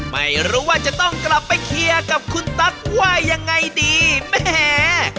ไม่รู้ว่าจะต้องกลับไปเคลียร์กับคุณตั๊กว่ายังไงดีแหม